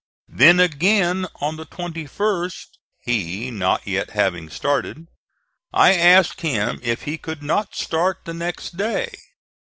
Then again on the 21st, he not yet having started, I asked him if he could not start the next day.